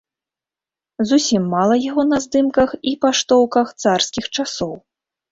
Зусім мала яго на здымках і паштоўках царскіх часоў.